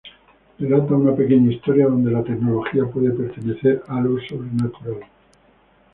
Relata una pequeña historia donde la tecnología puede pertenecer a lo sobrenatural.